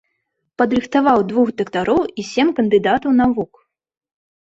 Падрыхтаваў двух дактароў і сем кандыдатаў навук.